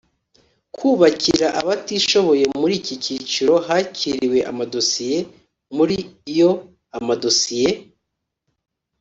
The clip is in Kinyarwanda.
Kubakira abatishoboye muri iki cyiciro hakiriwe amadosiye muri yo amadosiye